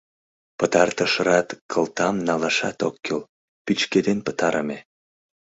Пытартыш рат кылтам налашат ок кӱл: пӱчкеден пытарыме.